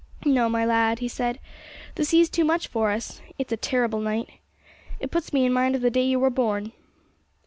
'No, my lad,' he said; 'the sea's too much for us. It's a terrible night. It puts me in mind of the day you were born.'